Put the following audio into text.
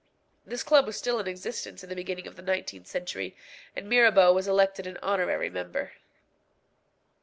This club was still in existence in the beginning of the nineteenth century, and Mirabeau was elected an honorary member.